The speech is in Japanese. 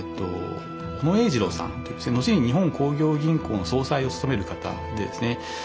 小野英二郎さんという後に日本興業銀行の総裁を務める方でですね